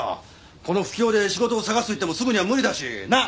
この不況で仕事を探すといってもすぐには無理だしなっ？